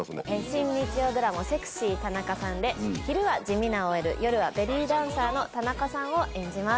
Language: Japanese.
新日曜ドラマ『セクシー田中さん』で昼は地味なＯＬ夜はベリーダンサーの田中さんを演じます。